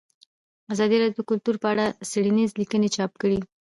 ازادي راډیو د کلتور په اړه څېړنیزې لیکنې چاپ کړي.